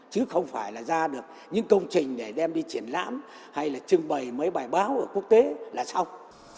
chứ không phải là ra được những công trình để đem đi triển lãm hay là trưng bày mấy bài báo ở quốc tế là xong